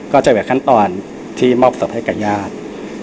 ก็จะเป็นขั้นตอนที่มอบสอบให้กับญาติ